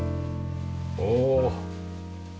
おお。